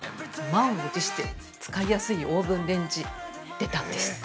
◆満を持して使いやすいオーブンレンジが出たんです。